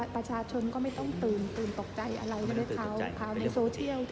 ประชาชนไม่ต้องตื่นปฎาใจอะไร